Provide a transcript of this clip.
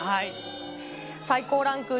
最高ランク、ＵＳ